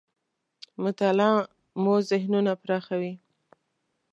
مطالعه مو ذهنونه پراخوي .